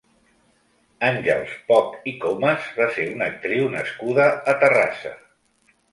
Àngels Poch i Comas va ser una actriu nascuda a Terrassa.